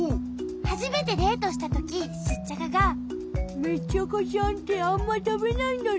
はじめてデートしたときシッチャカが「メッチャカちゃんってあんまたべないんだね。